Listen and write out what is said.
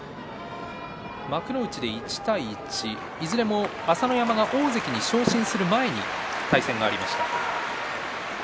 幕内で１対１、いずれも朝乃山が大関に昇進する前に対戦がありました。